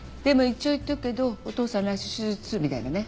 一応言っとくけどお父さん来週手術」みたいなね。